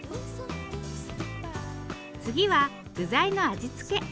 次は具材の味付け